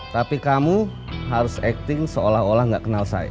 tapi kamu harus acting seolah olah nggak kenal saya